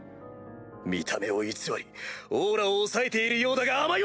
見た目を偽り妖気を抑えているようだが甘いわ！